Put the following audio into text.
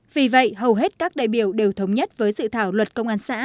vì vậy hầu hết các đại biểu đều thống nhất với dự thảo luật công an xã